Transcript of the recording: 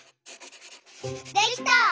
できた！